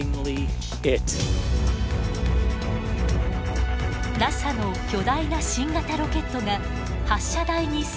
ＮＡＳＡの巨大な新型ロケットが発射台に姿を現しました。